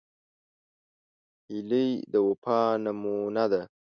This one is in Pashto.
هیلۍ د وفا نمونه ده